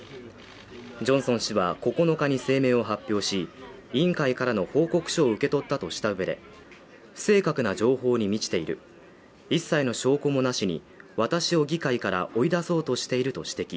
ジョンソン氏は９日に声明を発表し、委員会からの報告書を受け取ったとした上で、不正確な情報に満ちている一切の証拠もなしに私を議会から追い出そうとしていると指摘。